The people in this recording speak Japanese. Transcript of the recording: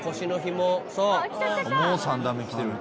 もう３段目きてる。